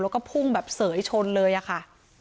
แล้วก็พุ่งแบบเสยชนเลยอะค่ะ